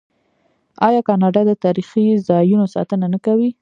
آیا کاناډا د تاریخي ځایونو ساتنه نه کوي؟